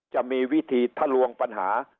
จะมีวิธีทะลวงปัญหา